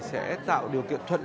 sẽ tạo điều kiện thuận lợi